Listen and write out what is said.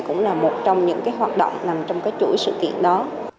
cũng là một trong những hoạt động nằm trong cái chuỗi sự kiện đó